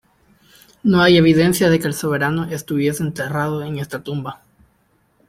No hay evidencia de que el soberano estuviese enterrado en esta tumba.